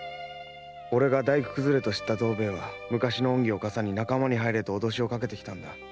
「俺が大工くずれと知った藤兵衛は昔の恩義をかさに仲間に入れと脅しをかけてきたんだ」